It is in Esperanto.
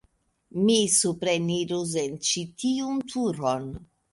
Mi suprenirus en ĉi tiun turon.